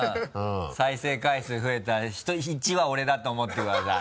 再生回数増えたら１は俺だと思ってください。